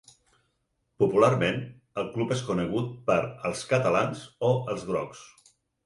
Popularment, el club és conegut per “els catalans” o “els grocs”.